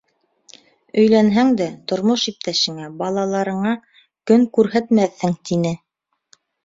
Өйләнһәң дә, тормош иптәшеңә, балаларыңа көн күрһәтмәҫһең, — тине.